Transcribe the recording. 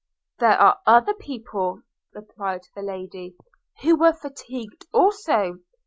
'There are other people,' replied the lady, 'who were fatigued also.